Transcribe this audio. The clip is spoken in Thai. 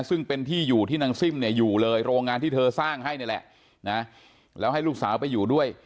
ซึ่งเป็นที่อยู่ที่นางซิ่มเนี่ยอยู่เลยโรงงานที่เธอสร้างให้นี่แหละนะแล้วให้ลูกสาวไปอยู่ด้วย